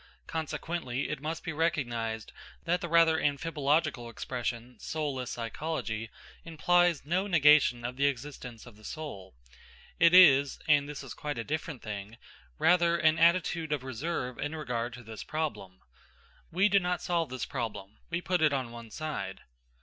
Consequently it must be recognised that the rather amphibological expression "soulless psychology" implies no negation of the existence of the soul. It is and this is quite a different thing rather an attitude of reserve in regard to this problem. We do not solve this problem; we put it on one side.